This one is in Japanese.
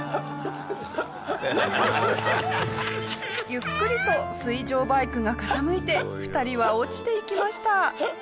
ゆっくりと水上バイクが傾いて２人は落ちていきました。